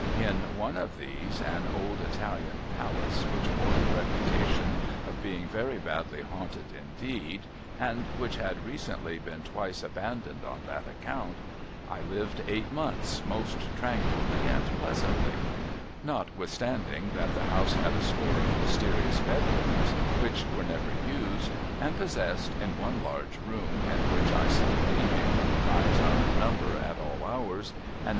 In one of these, an old Italian palace, which bore the reputation of being very badly haunted indeed, and which had recently been twice abandoned on that account, I lived eight months, most tranquilly and pleasantly : notwithstanding that the house had a score of mysterious bedrooms, which were never used, and possessed, in one large room in which I sat reading, times out of number at all hours, and ne.